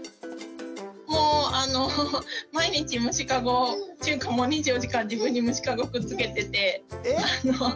もうあの毎日虫かごというか２４時間自分に虫かごくっつけてて。